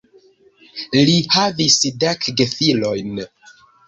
Li havis dek gefilojn.